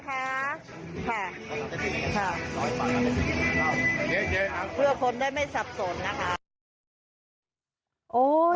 เพื่อคนได้ไม่สับสนนะคะ